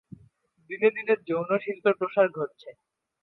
দিনে দিনে যৌন শিল্পের প্রসার ঘটছে।